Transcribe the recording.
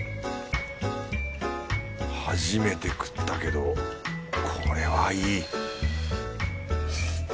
初めて食ったけどこれはいい